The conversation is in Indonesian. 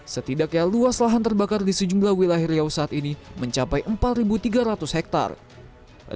setidaknya luas lahan terbakar di sejumlah wilayah riau saat ini mencapai empat tiga ratus hektare